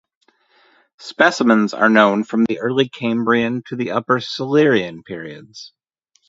Specimens are known from the early Cambrian to the upper Silurian periods.